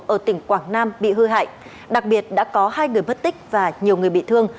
ở tỉnh quảng nam bị hư hại đặc biệt đã có hai người mất tích và nhiều người bị thương